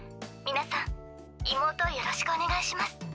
皆さん妹をよろしくお願いします。